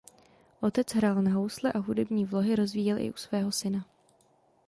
Otec hrál na housle a hudební vlohy rozvíjel i u svého syna.